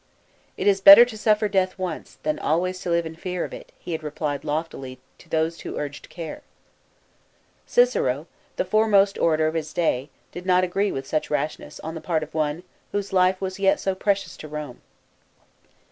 "It is better to suffer death once, than always to live in fear of it," he had replied* loftily to those who urged care. * Cicero the foremost orator of his day did not 192 THE IDES OF MARCH. [B.C. 44. agree with such rashness, on the part of one, whose life was yet so precious to Rorne.